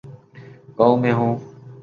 گاؤں میں ہوں۔